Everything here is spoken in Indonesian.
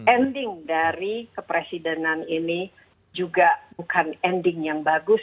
ending dari kepresidenan ini juga bukan ending yang bagus